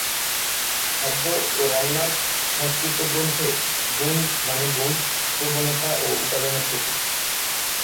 খাদ্য ও রান্নার সংস্কৃত গ্রন্থে, গুণ মানে গুণ, প্রবণতা ও উপাদানের প্রকৃতি।